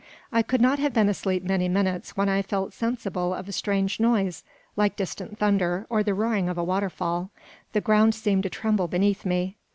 I could not have been asleep many minutes when I felt sensible of a strange noise, like distant thunder, or the roaring of a waterfall. The ground seemed to tremble beneath me.